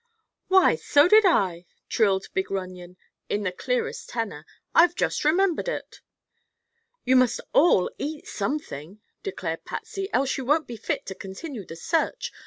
"Why, so did I!" trilled big Runyon, in his clearest tenor. "I've just remembered it." "You must all eat something," declared Patsy, "else you won't be fit to continue the search.